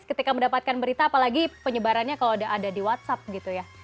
ketika mendapatkan berita apalagi penyebarannya kalau udah ada di whatsapp gitu ya